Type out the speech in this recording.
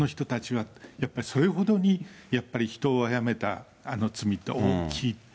その人たちはやっぱりそれほどにやっぱり人を殺めた罪って大きい。